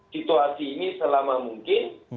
situasi ini selama mungkin